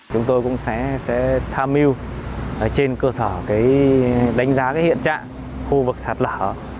chúng tôi cũng sẽ tham mưu trên cơ sở đánh giá hiện trạng khu vực sạt lở